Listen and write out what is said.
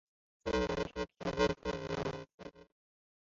专门从事房地产法律。